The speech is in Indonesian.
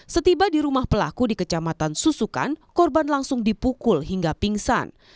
setiba di rumah pelaku di kecamatan susukan korban langsung dipukul hingga pingsan